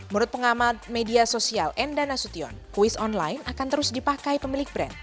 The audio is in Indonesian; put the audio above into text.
menurut pengamat media sosial enda nasution kuis online akan terus dipakai pemilik brand